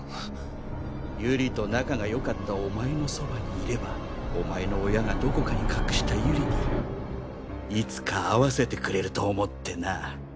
有里と仲が良かったお前のそばにいればお前の親がどこかに隠した有里にいつか会わせてくれると思ってな。